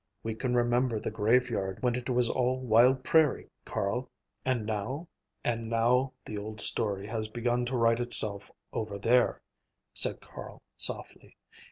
"We can remember the graveyard when it was wild prairie, Carl, and now—" "And now the old story has begun to write itself over there," said Carl softly.